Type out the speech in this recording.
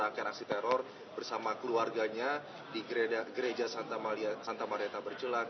akan aksi teror bersama keluarganya di gereja santa mareta bercelak